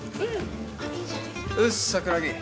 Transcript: うっす桜木。